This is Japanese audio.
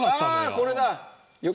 あこれだ！